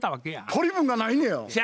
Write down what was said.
取り分がないねや。